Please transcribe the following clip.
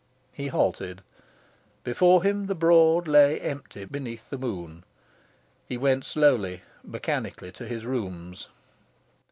He halted. Before him, the Broad lay empty beneath the moon. He went slowly, mechanically, to his rooms.